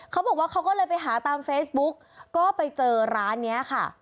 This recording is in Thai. เขาบอกว่าเขาก็เลยไปหาตามเฟซบุ๊กก็ไปเจอร้านนี้ค่ะ